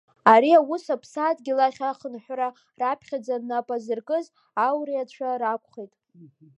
Ари аус аԥсадгьыл ахь ахынҳәра раԥхьаӡа нап азыркыз ауриацәа ракәхеит.